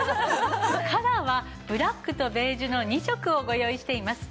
カラーはブラックとベージュの２色をご用意しています。